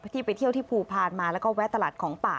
ที่ไปเที่ยวที่ภูพานมาแล้วก็แวะตลาดของป่า